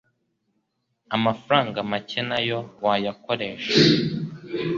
amafaranga make nayo wayakoresha,